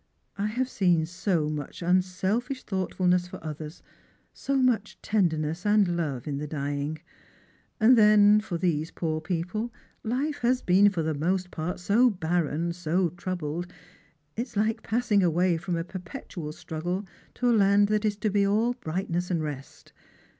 I have seen so much unselfish thoughtfulness for others, so much tenderness and love in the dying. And then for these poor people life has _ been for the most part so barren, so troubled, it is like passing away from a perpetual struggle to a land that is to be all brightness and rest.